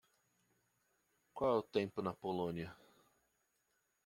Qual é o tempo na Polónia?